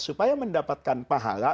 supaya mendapatkan pahala